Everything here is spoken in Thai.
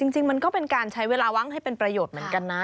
จริงมันก็เป็นการใช้เวลาว่างให้เป็นประโยชน์เหมือนกันนะ